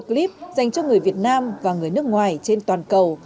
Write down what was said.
đây là một clip dành cho người việt nam và người nước ngoài trên toàn cầu